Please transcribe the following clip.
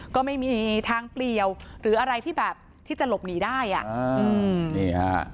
ก็ไม่มีทางเปลี่ยวหรืออะไรที่แบบที่จะหลบหนีได้อ่ะอืมนี่ฮะ